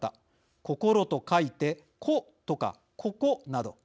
「心」と書いて「コ」とか「ココ」など。